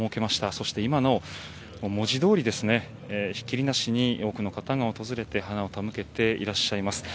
そして今も文字どおりひっきりなしに多くの方が訪れて花を手向けていらっしゃいます。